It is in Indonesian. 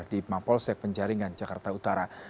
di ipma polsek penjaringan jakarta utara